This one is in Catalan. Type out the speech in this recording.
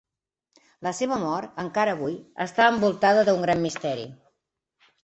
La seva mort, encara avui, està envoltada d'un gran misteri.